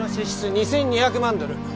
２２００万ドル